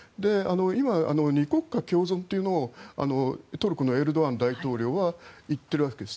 今、２国間共存というのをトルコのエルドアン大統領は言っているわけです。